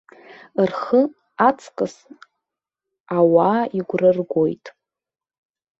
Рхы аҵкыс ауаа игәра ргоит.